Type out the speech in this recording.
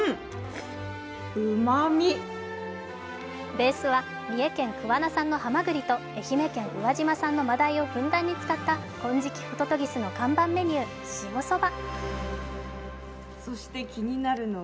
ベースは三重県・桑名産のハマグリと愛媛県宇和島産の真だいをふんだんに使った金色不如帰の看板メニュー、塩そば。